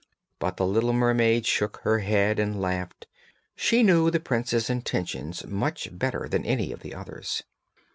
But the little mermaid shook her head and laughed; she knew the prince's intentions much better than any of the others.